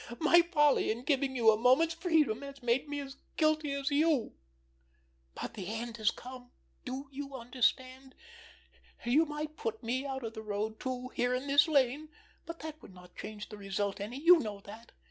My folly in giving you a moment's freedom has made me as guilty as you. But the end has come. Do you understand? You might put me out of the road, too, here in this lane, but that would not change the result any. You know that.